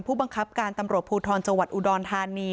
ผู้บังคับการตำรวจภูทรจังหวัดอุดรธานี